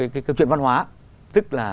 cái câu chuyện văn hóa tức là